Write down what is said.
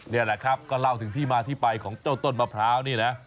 นี่แหละครับก็เล่าถึงที่มาที่ไปของเจ้าต้นมะพร้าวนี่นะ